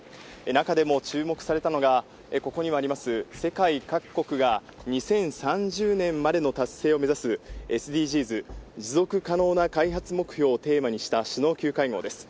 中でも注目されたのが、ここにもあります、世界各国が２０３０年までの達成を目指すＳＤＧｓ・持続可能な開発目標をテーマにした首脳級会合です。